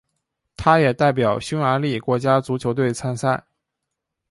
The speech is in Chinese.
他也代表匈牙利国家足球队参赛。